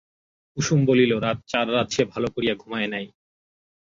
কুসুম বলিল, চার রাত সে ভালো করিয়া ঘুমায় নাই।